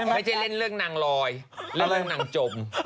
ไม่ใช่เล่นเรื่องนางลอยเล่นเรื่องนางจม